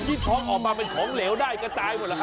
ท้องออกมาเป็นของเหลวได้กระจายหมดแล้วฮ